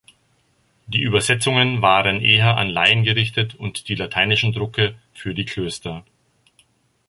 Die Übersetzungen waren eher an Laien gerichtet und die lateinischen Drucke für die Klöster.